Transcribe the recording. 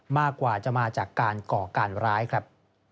มากกว่าจะมาจากการก่อการร้ายครับ